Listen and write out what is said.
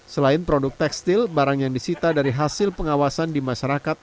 selain produk tekstil barang yang disita dari hasil pengawasan di masyarakat